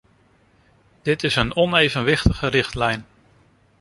Dit is een onevenwichtige richtlijn.